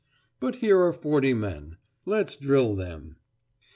But here are forty men. Let's drill them.